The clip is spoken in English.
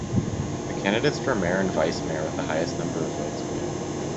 The candidates for mayor and vice mayor with the highest number of votes win.